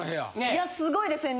いやすごいですね。